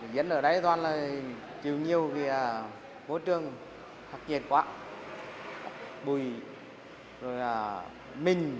dân ở đây toàn là chịu nhiều vì môi trường thật nhiệt quá bụi rồi là minh